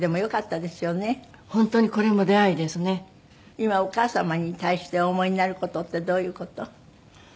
今お母様に対してお思いになる事ってどういう事？